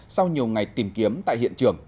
sau nhiều ngày tìm kiếm tại hiện trường